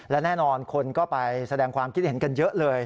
และแน่นอนคนก็ไปแสดงความคิดเห็นกันเยอะเลย